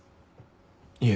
いえ。